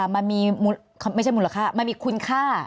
มันมีไม่ใช่มูลค่ามันมีคุณค่า